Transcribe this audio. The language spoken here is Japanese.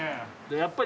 やっぱり。